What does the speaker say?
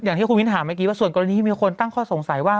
อย่างที่คุณมิ้นถามเมื่อกี้ว่าส่วนกรณีที่มีคนตั้งข้อสงสัยว่า